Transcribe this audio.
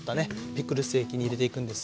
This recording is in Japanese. ピクルス液に入れていくんですが。